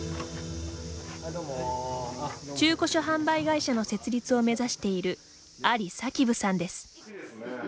中古車販売会社の設立を目指しているアリサキブさんです。